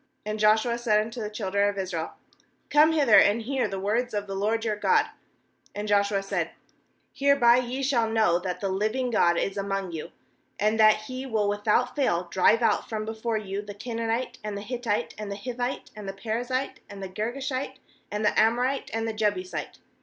9And Joshua said unto the children of Israel: 'Come hither, and hear the words of the LORD your God.' 10And Joshua said: 'Hereby ye shall know that the living God is among you, and that He will without fail drive out from before you the Canaanite, and the Hittite, and the Hivite, and the Perizzite, and the Girgashite, and the Amorite, and the Jebusite.